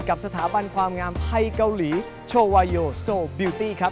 กับสถาบันความงามไทยเกาหลีโชวาโยโซบิวตี้ครับ